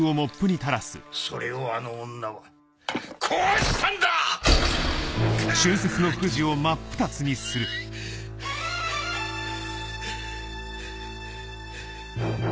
それをあの女はこうしたんだ‼ハァハァハァ。